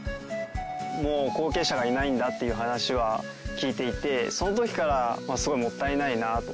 もう後継者がいないんだっていう話は聞いていてその時からすごいもったいないなと。